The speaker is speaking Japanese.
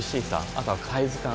あとはサイズ感